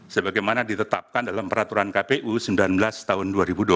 sebagaimana ditetapkan dalam peraturan kpu sembilan belas tahun dua ribu dua puluh